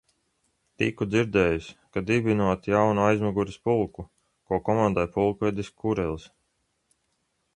Tiku dzirdējis, ka dibinot jaunu aizmugures pulku, ko komandē pulkvedis Kurelis.